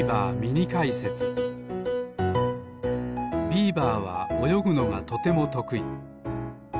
ビーバーはおよぐのがとてもとくい。